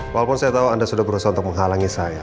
walaupun saya tahu anda sudah berusaha untuk menghalangi saya